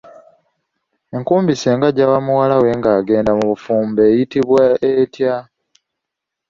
Enkumbi ssenga gyawa muwala we ng'agenda mu bufumbo eyitibwa etya?